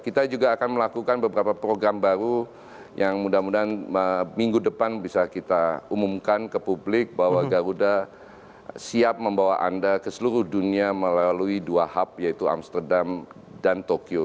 kita juga akan melakukan beberapa program baru yang mudah mudahan minggu depan bisa kita umumkan ke publik bahwa garuda siap membawa anda ke seluruh dunia melalui dua hub yaitu amsterdam dan tokyo